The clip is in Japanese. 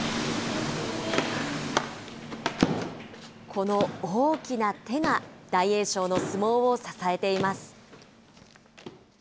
この大きな手が大栄翔の相撲を支えています。